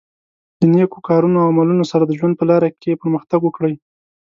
د نېکو کارونو او عملونو سره د ژوند په لاره کې پرمختګ وکړئ.